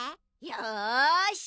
よし。